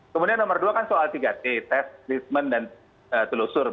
kemudian nomor dua kan soal tiga t tes rismen dan telusur